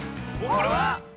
これは⁉